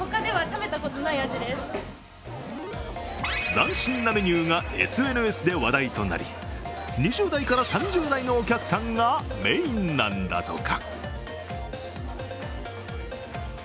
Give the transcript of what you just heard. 斬新なメニューがＳＮＳで話題となり、２０代から３０代のお客さんがメインなんだとか。